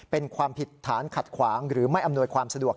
เป็นความผิดฐานขัดขวางหรือไม่อำนวยความสะดวก